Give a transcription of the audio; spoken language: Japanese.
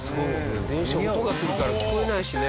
電車音がするから聞こえないしね。